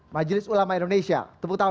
majelis ulama indonesia tepuk tangan